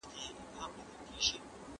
د خدای ښار اغېزناک اثر دی.